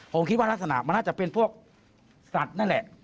ผมคิดว่ารักษณะมันน่าจะเป็นพวกสัตว์นั่นแหละ